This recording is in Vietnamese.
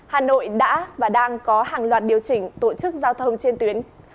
hà nội đã và đang có hàng loạt điều chỉnh tổ chức giao thông trên tuyến